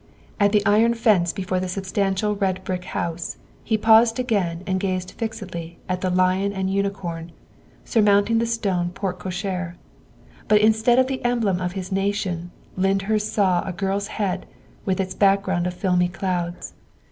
At the iron fence before the substantial red brick house he paused again and gazed fixedly at the lion and unicorn surmounting the stone porte cochere. But in stead of the emblem of his nation, Lyndhurst saw a girl's head with its background of filmy clouds.